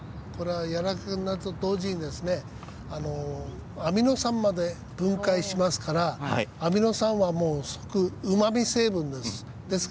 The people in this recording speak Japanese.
やわらかくなると同時にアミノ酸まで分解しますからアミノ酸は、もうすごくうまみ成分です。